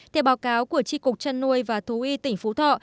theo báo cáo của tri cục chăn nuôi và thú y tỉnh phú thọ